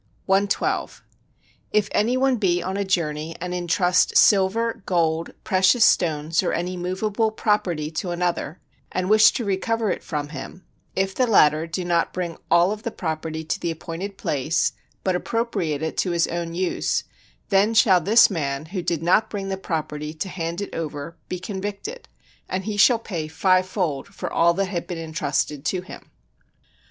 112. If anyone be on a journey and intrust silver, gold, precious stones, or any movable property to another, and wish to recover it from him; if the latter do not bring all of the property to the appointed place, but appropriate it to his own use, then shall this man, who did not bring the property to hand it over be convicted, and he shall pay fivefold for all that had been intrusted to him.